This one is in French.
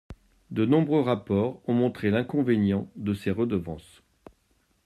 De nombreux rapports ont montré l’inconvénient de ces redevances.